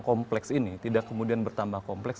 kompleks ini tidak kemudian bertambah kompleks